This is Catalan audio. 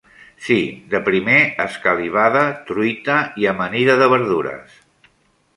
Sí, de primer, escalivada, truita i amanida de verdures.